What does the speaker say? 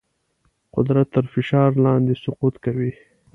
قدرت تر فشار لاندې سقوط کوي.